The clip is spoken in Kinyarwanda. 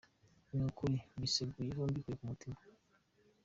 Ni ukuri mbiseguyeho mbikuye ku mutima”.